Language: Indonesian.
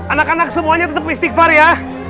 anak anak semuanya tetap istighfar ya